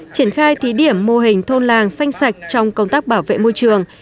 triển khai thí điểm mô hình thôn làng xanh sạch trong công tác bảo vệ môi trường